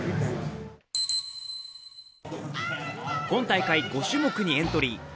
今大会５種目にエントリー。